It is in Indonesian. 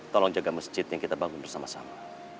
tolong jaga masjid yang kita bangun bersama sama